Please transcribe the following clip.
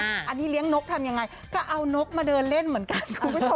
อันนี้เลี้ยงนกทำยังไงก็เอานกมาเดินเล่นเหมือนกันคุณผู้ชม